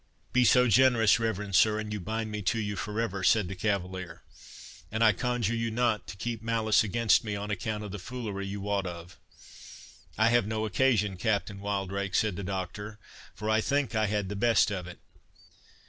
"Be so generous, reverend sir, and you bind me to you for ever," said the cavalier; "and I conjure you not to keep malice against me on account of the foolery you wot of." "I have no occasion, Captain Wildrake," said the Doctor, "for I think I had the best of it."